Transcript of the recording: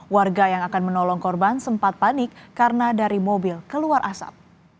warga yang akan menolong korban sempat panik karena dari mobil keluar asap